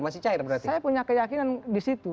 saya punya keyakinan di situ